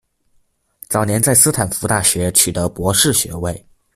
早年在斯坦福大学取得博士学位。